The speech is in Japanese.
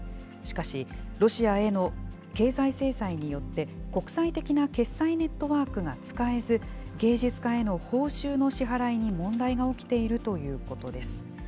しかし、ロシアへの経済制裁によって、国際的な決済ネットワークが使えず、芸術家への報酬の支払いに問題が起きているということです。